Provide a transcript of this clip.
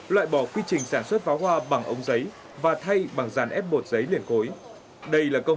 loại bỏ quy trình sản xuất pháo hoa bằng ống giấy và thay bằng dàn ép bột giấy liền cối đây là công